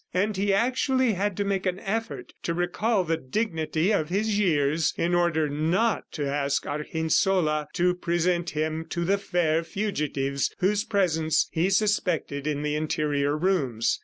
And he actually had to make an effort to recall the dignity of his years, in order not to ask Argensola to present him to the fair fugitives whose presence he suspected in the interior rooms.